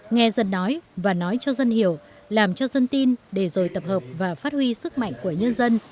nghe dân nói và nói cho dân hiểu làm cho dân tin để rồi tập hợp và phát huy sức mạnh của nhân dân